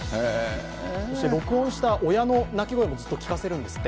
そして録音した親の鳴き声も聞かせるんですって。